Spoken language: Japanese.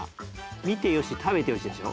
見て良し食べて良しでしょ？